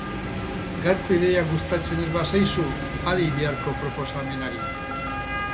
Gaurko ideia gustatu ez bazaizu, adi biharko proposamenari!